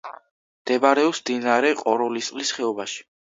მდებარეობს მდინარე ყოროლისწყლის ხეობაში.